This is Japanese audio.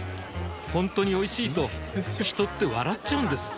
ほんとにおいしいと人って笑っちゃうんです